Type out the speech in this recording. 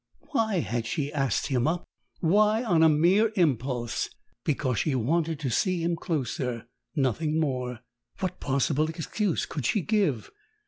Why had she asked him up? Why, on a mere impulse; because she wanted to see him closer nothing more. What possible excuse could she give?